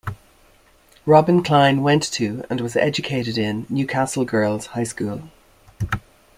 Robin Klein went to and was educated in Newcastle Girls' High School.